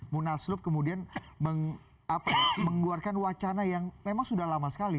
munaslup kemudian mengeluarkan wacana yang memang sudah lama sekali